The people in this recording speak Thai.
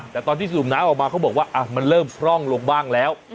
แต่ตอนที่สูบน้ำออกมาเขาบอกว่ามันเริ่มพร่องลงบ้างแล้ว